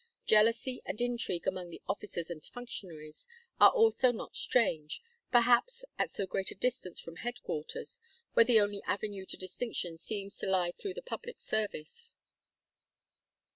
Jealousy and intrigue among the officers and functionaries are also not strange, perhaps, at so great a distance from headquarters, where the only avenue to distinction seems to lie through the public service.